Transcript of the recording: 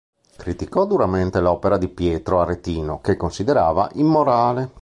Criticò duramente l'opera di Pietro Aretino, che considerava immorale.